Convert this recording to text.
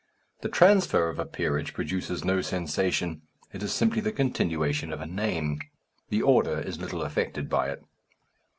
The transfer of a peerage produces no sensation. It is simply the continuation of a name. The order is little affected by it.